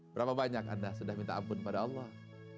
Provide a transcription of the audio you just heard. berapa banyak anda sudah minta ampun kepada allah